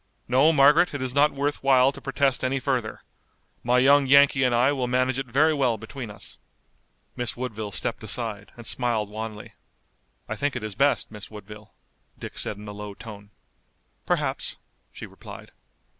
No, Margaret, it is not worth while to protest any further. My young Yankee and I will manage it very well between us." Miss Woodville stepped aside and smiled wanly. "I think it is best, Miss Woodville," Dick said in a low tone. "Perhaps," she replied.